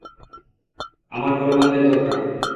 আমার বলবানদের দরকার!